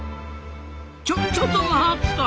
ちょちょっと待った！